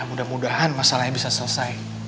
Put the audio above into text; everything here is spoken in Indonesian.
mudah mudahan masalahnya bisa selesai